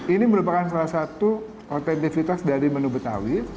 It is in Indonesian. ini merupakan salah satu otentivitas dari menu betawi